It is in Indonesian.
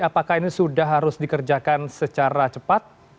apakah ini sudah harus dikerjakan secara cepat